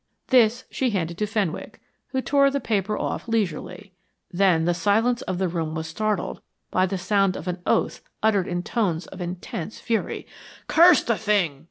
This she handed to Fenwick, who tore the paper off leisurely. Then the silence of the room was startled by the sound of an oath uttered in tones of intense fury. "Curse the thing!"